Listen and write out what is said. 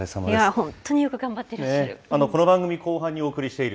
本当によく頑張ってらっしゃる。